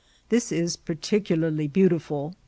This is particularly beautiful.